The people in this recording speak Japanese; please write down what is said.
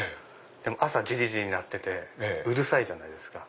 でも朝ジリジリ鳴っててうるさいじゃないですか。